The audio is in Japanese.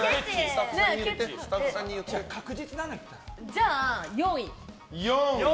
じゃあ、４位。